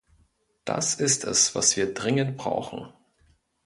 Das ist es, was wir dringend brauchen.